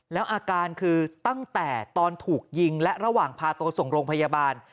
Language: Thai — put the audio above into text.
แล้วอาการคือตั้งแต่ตอนถูกยิงและระหว่างพาตัวส่งโรงพยาบาล